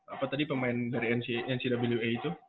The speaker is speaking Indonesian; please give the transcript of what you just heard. apa tadi pemain dari ncwwa itu